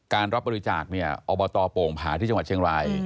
รับบริจาคเนี่ยอบตโป่งผาที่จังหวัดเชียงราย